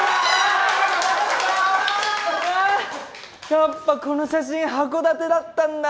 やっぱこの写真函館だったんだ。